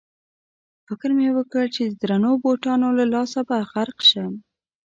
فکر مې وکړ چې د درنو بوټانو له لاسه به غرق شم.